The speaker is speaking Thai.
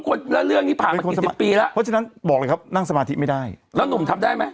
คนแล้วเรื่องที่ทางมีปีแล้วเขาจะบอกครับนั่งสมาธิไม่ได้นั่งทำได้ไหม